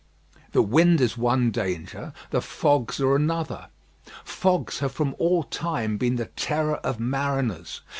The wind is one danger; the fogs are another. Fogs have from all time been the terror of mariners.